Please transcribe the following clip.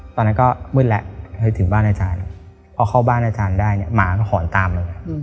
ตอนนั้นก็มืดแล้วถึงบ้านอาจารย์พอเข้าบ้านอาจารย์ได้เนี่ยหมาก็หอนตามเราเลย